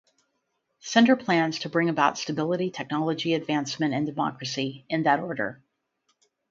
Center plans to bring about stability, technological advancement and democracy, in that order.